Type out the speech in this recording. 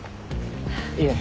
いえ。